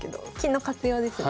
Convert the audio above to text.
金の活用ですね。